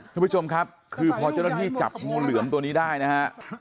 คุณผู้ชมครับคือพอเจ้าหน้าที่จับงูเหลือมตัวนี้ได้นะฮะ